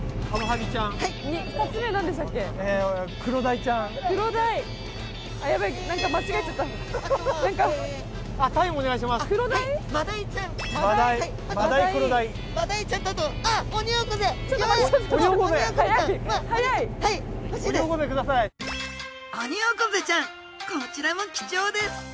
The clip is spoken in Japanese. こちらも貴重です。